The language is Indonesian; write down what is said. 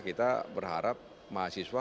kita berharap mahasiswa